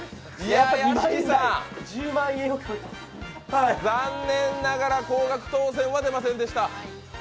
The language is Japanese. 屋敷さん、残念ながら高額当選は出ませんでした。